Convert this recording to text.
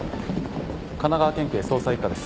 神奈川県警捜査一課です。